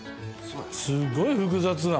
すっごい複雑な。